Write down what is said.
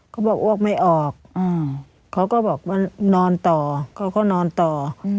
เขาบอกอ้วกไม่ออกเขาก็บอกว่านอนต่อเขาก็นอนต่อ